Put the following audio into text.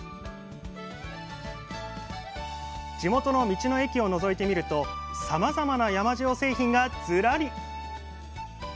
地元の道の駅をのぞいてみるとさまざまな山塩製品がずらり。